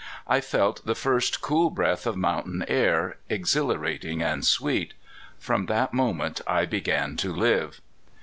I felt the first cool breath of mountain air, exhilarating and sweet. From that moment I began to live.